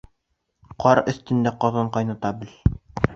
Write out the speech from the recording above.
Ҡар өҫтөндә ҡаҙан ҡайната бел.